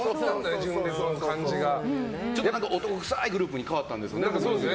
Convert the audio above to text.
男くさいグループに変わったんですよね。